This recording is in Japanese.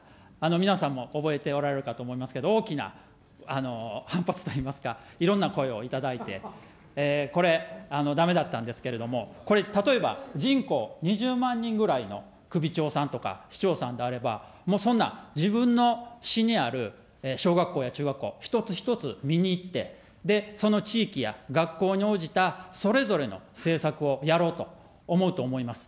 皆さんも覚えておられるかと思いますが、大きな反発といいますか、いろんな声を頂いて、これ、だめだったんですけれども、これ、例えば人口２０万人ぐらいの首長さんとか市長さんであれば、もう、そんな自分の市にある小学校や中学校、一つ一つ見に行って、で、その地域や学校に応じたそれぞれの政策をやろうと思うと思います。